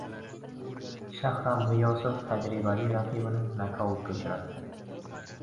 Shahram G‘iyosov tajribali raqibini nokautga uchratdi